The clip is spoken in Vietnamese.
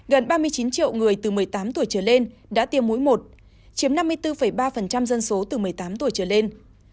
gần ba mươi chín triệu người từ một mươi tám tuổi trở lên đã tiêm mũi một chiếm năm mươi bốn ba dân số từ một mươi tám tuổi trở lên